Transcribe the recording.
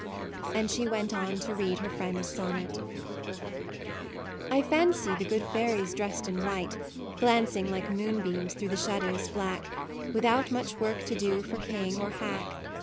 " and she went on to read her friend's sonnet: I fancy the good fairies dressed in white, Glancing like moonbeams through the shadows black; Without much work to do for king or hack.